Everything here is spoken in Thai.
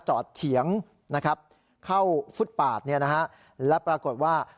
เฉียงนะครับเข้าฟุตปาดเนี่ยนะฮะและปรากฏว่า